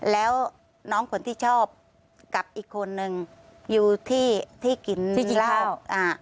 แล้วน้องคนที่ชอบกับอีกคนนึงอยู่ที่กินข้าว